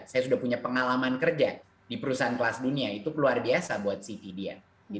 saya sudah punya pengalaman kerja di perusahaan kelas dunia itu luar biasa buat cv dia